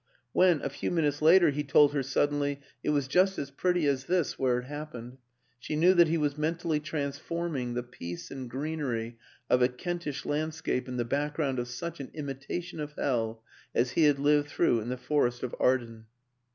When, a few minutes later, he told her suddenly, " It was just as pretty as this where it happened," she knew that he was mentally transforming the peace and greenery of a Kentish landscape in the back ground of such an imitation of hell as he had lived through in the Forest of Arden.